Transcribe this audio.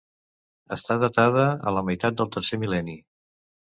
Està datada a la meitat del tercer mil·lenni.